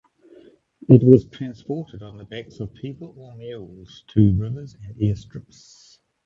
It was transported on the backs of people or mules to rivers and airstrips.